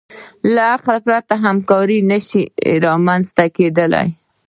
له عقل پرته همکاري نهشي رامنځ ته کېدی.